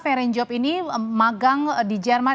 ferenjob ini magang di jerman